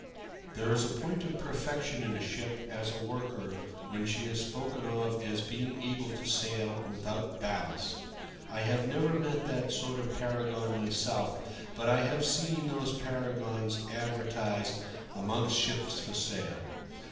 There is a point of perfection in a ship as a worker when she is spoken of as being able to sail without ballast. I have never met that sort of paragon myself, but I have seen these paragons advertised amongst ships for sale.